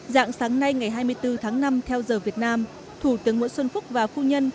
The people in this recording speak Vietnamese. dạng sáng nay ngày hai mươi bốn tháng năm theo giờ việt nam thủ tướng nguyễn xuân phúc và phu nhân